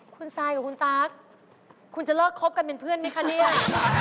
คุณซายคุณตั๊กคุณจะเลิกครบกันเป็นเพื่อนไม่เข้าเรื่อง